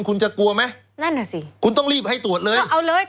คุณจะกลัวไหมคุณต้องรีบให้ตรวจเลย